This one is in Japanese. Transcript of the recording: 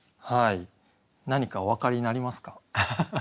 何かお分かりになりますか？